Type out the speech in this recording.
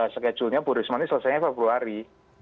skedulnya bu risma ini selesainya februari